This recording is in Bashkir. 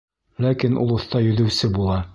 Ләкин ул оҫта йөҙөүсе була.